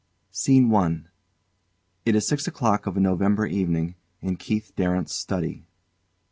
SCENE I It is six o'clock of a November evening, in KEITH DARRANT'S study.